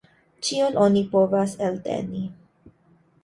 Ĉion oni povas elteni.